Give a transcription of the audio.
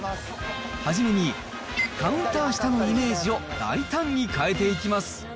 初めにカウンター下のイメージを大胆に変えていきます。